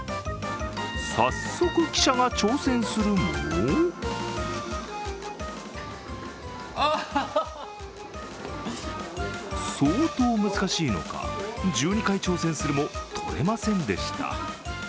早速、記者が挑戦するも相当難しいのか１２回挑戦するも取れませんでした。